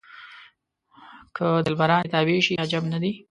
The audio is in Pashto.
که دلبران یې تابع شي عجب نه دی.